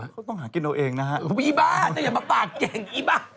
เขาต้องหากินเอาเองนะฮะอีบ้าแต่อย่ามาปากเก่งอีบ้า